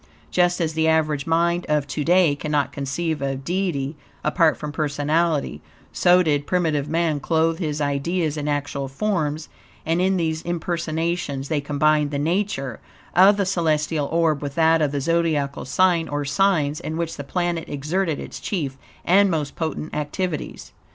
Just as the average mind of to day cannot conceive of Deity apart from personality, so did primitive man clothe his ideas in actual forms, and in these impersonations, they combined the nature of the celestial orb with that of the zodiacal sign or signs, in which the planet exerted its chief and most potent activities.